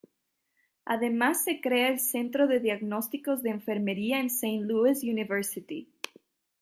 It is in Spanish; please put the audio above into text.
Además se crea el Centro de Diagnósticos de Enfermería en Saint Louis University.